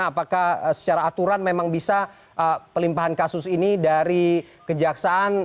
apakah secara aturan memang bisa pelimpahan kasus ini dari kejaksaan